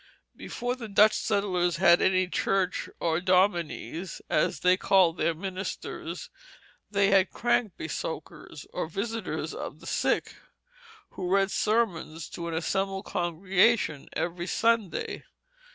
Before the Dutch settlers had any churches or domines, as they called their ministers, they had krankbesoeckers, or visitors of the sick, who read sermons to an assembled congregation every Sunday.